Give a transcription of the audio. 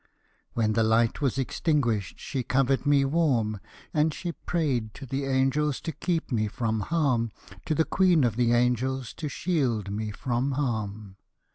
When the light was extinguished She covered me warm, And she prayed to the angels To keep me from harm To the queen of the angels To shield me from harm.